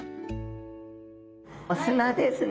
お砂ですね。